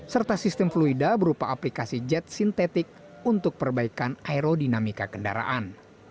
serta sistem fluida berupa aplikasi jet sintetik untuk perbaikan aerodinamika kendaraan